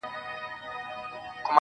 له دغي لويي وچي وځم.